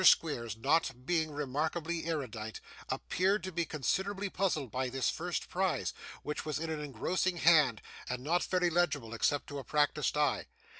Squeers, not being remarkably erudite, appeared to be considerably puzzled by this first prize, which was in an engrossing hand, and not very legible except to a practised eye.